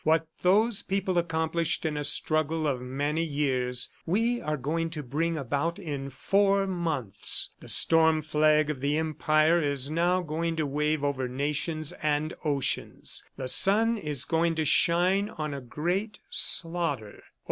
What those people accomplished in a struggle of many years we are going to bring about in four months. The storm flag of the Empire is now going to wave over nations and oceans; the sun is going to shine on a great slaughter.